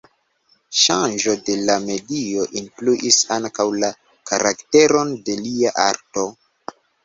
Ŝanĝo de la medio influis ankaŭ la karakteron de lia arto.